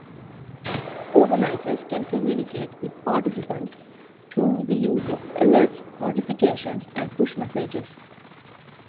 Organisers can communicate with participants through the use of alerts, notifications, and push messages.